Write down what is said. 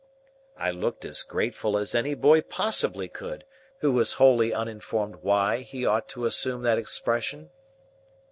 I looked as grateful as any boy possibly could, who was wholly uninformed why he ought to assume that expression.